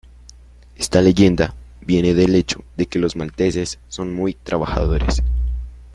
Esta leyenda viene del hecho de que los malteses son muy trabajadores.